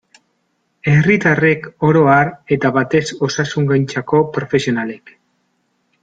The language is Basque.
Herritarrek oro har, eta batez osasungintzako profesionalek.